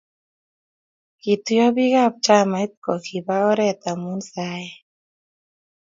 Kituyo biiik ab chamait kokipa oret amu saet